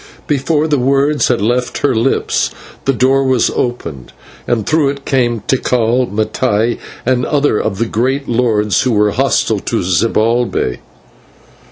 Before the words had left her lips the door was opened, and through it came Tikal, Mattai, and other of the great lords who were hostile to Zibalbay.